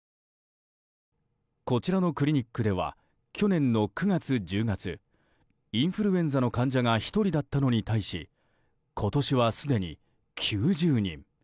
こちらのクリニックでは去年の９月、１０月インフルエンザの患者が１人だったのに対し今年はすでに９０人。